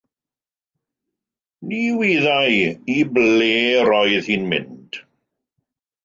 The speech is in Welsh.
Ni wyddai i ble roedd hi'n mynd.